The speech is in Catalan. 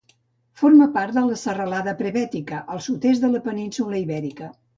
Forma part de la Serralada Prebètica, al sud-est de la península Ibèrica.